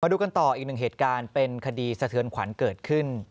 ดูกันต่ออีกหนึ่งเหตุการณ์เป็นคดีสะเทือนขวัญเกิดขึ้น